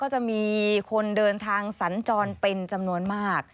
จะมีคนเดินทางสัญจรเป็นจำนวนมาก